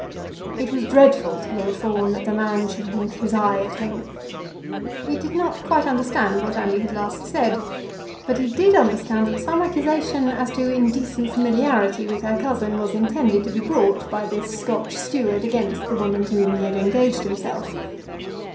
It was dreadful to Lord Fawn that the man should wink his eye at him. He did not quite understand what Andy had last said, but he did understand that some accusation as to indecent familiarity with her cousin was intended to be brought by this Scotch steward against the woman to whom he had engaged himself.